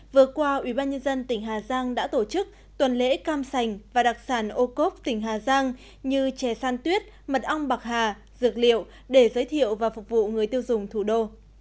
vừa qua ubnd tỉnh hà giang đã tổ chức tuần lễ cam sành và đặc sản ô cốp tỉnh hà giang như chè san tuyết mật ong bạc hà dược liệu để giới thiệu và phục vụ người tiêu dùng thủ đô